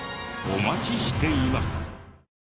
お待ちしています。